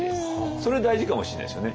それ大事かもしれないですよね。